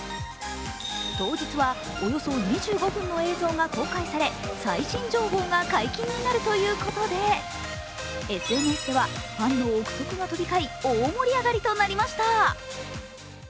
当日はおよそ２５分の映像が公開され最新情報が解禁になるということでＳＮＳではファンの臆測が飛び交い、大盛り上がりとなりました。